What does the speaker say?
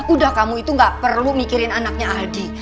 udah kamu itu nggak perlu mikirin anaknya aldi